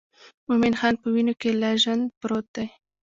مومن خان په وینو کې لژند پروت دی.